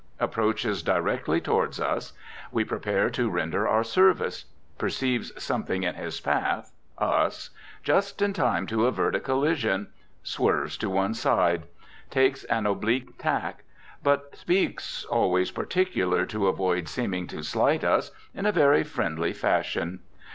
Approaches directly toward us. We prepare to render our service. Perceives something in his path (us) just in time to avert a collision, swerves to one side. Takes an oblique tack. But speaks (always particular to avoid seeming to slight us) in a very friendly fashion.